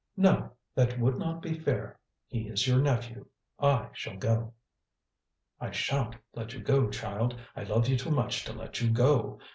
"No. That would not be fair. He is your nephew. I shall go." "I shan't let you go, child. I love you too much to let you go.